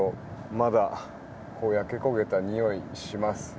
まだ焼け焦げたにおいがします。